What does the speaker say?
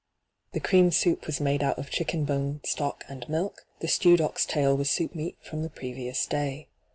The oream soap was Inade out of ohiokea bone stock and milk ; the stewod oxtail was soapmeat from the previons day.